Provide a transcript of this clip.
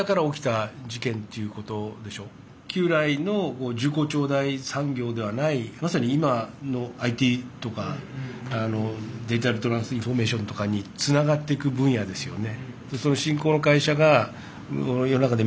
旧来の重厚長大産業ではないまさに今のＩＴとかデジタルトランスフォーメーションとかにつながっていく分野ですよね。